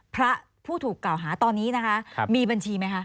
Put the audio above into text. พระผู้ถูกกล่าวหาตอนนี้นะคะมีบัญชีไหมคะ